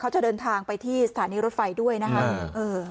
จะเดินทางไปที่สถานีรถไฟด้วยนะครับ